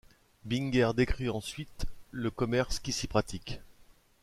Binger décrit ensuite le commerce qui s'y pratique.